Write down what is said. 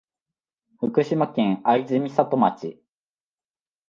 福島県会津美里町